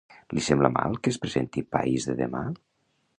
Li sembla mal que es presenti País de Demà?